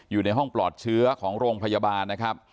อยู่ในห้องปลอดเชื้อของโรงพยาบาลนะครับ